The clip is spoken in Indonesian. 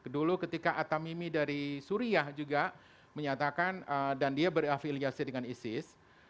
dulu ketika atamimi dari suriah juga menyatakan dan dia berafiliasi dengan isis